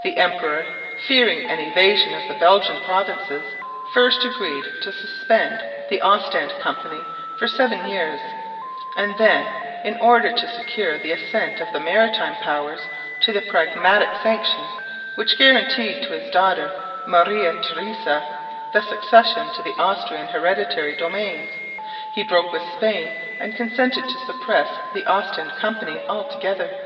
The emperor, fearing an invasion of the Belgian provinces, first agreed to suspend the Ostend Company for seven years, and then, in order to secure the assent of the maritime powers to the Pragmatic Sanction, which guaranteed to his daughter, Maria Theresa, the succession to the Austrian hereditary domains, he broke with Spain and consented to suppress the Ostend Company altogether.